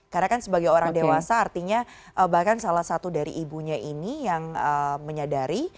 karena kan sebagai orang dewasa artinya bahkan salah satu dari ibunya ini yang menyadari